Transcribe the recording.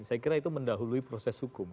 saya kira itu mendahului proses hukum